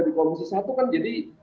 di komisi satu kan jadi